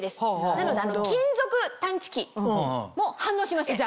なので金属探知機も反応しません。